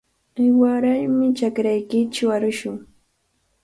Warami chakraykichaw arushun.